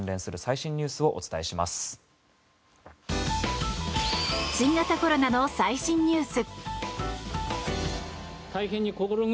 新型コロナの最新ニュース。